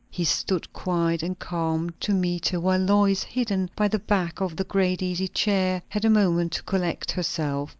He stood quiet and calm to meet her; while Lois, hidden by the back of the great easy chair, had a moment to collect herself.